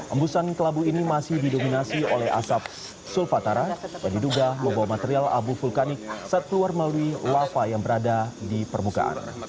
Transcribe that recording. embusan kelabu ini masih didominasi oleh asap sulfatara yang diduga membawa material abu vulkanik saat keluar melalui lava yang berada di permukaan